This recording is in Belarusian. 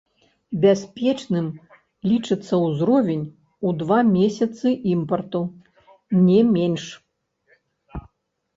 Бяспечным лічыцца ўзровень у два месяцы імпарту, не менш.